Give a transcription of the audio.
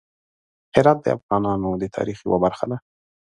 هرات د افغانانو د تاریخ یوه برخه ده.